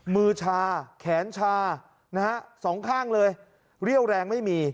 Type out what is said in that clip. มือชาแขนชานะฮะสองข้างเลยเรี่ยวแรงไม่มี